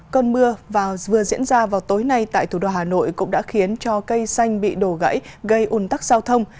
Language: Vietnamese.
cơn mưa vừa diễn ra vào tối nay tại thủ đô hà nội cũng đã khiến cho cây xanh bị đổ gãy gây ủn tắc giao thông